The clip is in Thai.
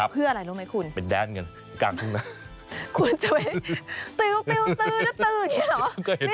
เพื่ออะไรรู้ไหมคุณคุณจะไปตื๊วอย่างนี้เหรอ